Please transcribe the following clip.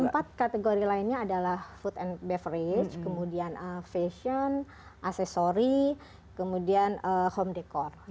empat kategori lainnya adalah food and beverage kemudian fashion aksesori kemudian home decor